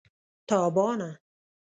تابانه